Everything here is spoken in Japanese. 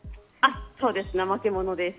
そうです。